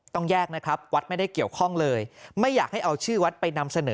ต้องแยกนะครับวัดไม่ได้เกี่ยวข้องเลยไม่อยากให้เอาชื่อวัดไปนำเสนอ